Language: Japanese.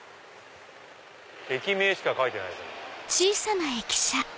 駅名しか書いてないっすね。